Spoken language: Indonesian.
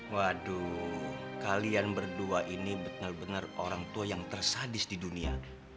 waduh kalian berdua ini benar benar orang tua yang tersadis di dunia